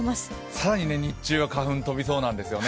更に日中は花粉、飛びそうなんですよね。